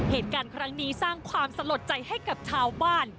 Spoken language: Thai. เหตุการณ์ครั้งนี้สร้างความสลดใจให้กับชาวบ้าน